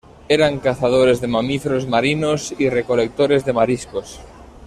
Eran cazadores de mamíferos marinos y recolectores de mariscos.